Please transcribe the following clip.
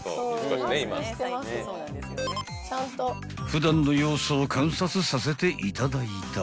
［普段の様子を観察させていただいた］